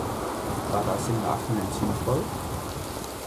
War das im Nachhinein sinnvoll?